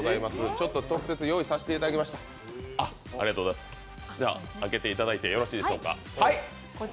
ちょっと直接用意させていただきました、開けていただいてよろしいでしょうか？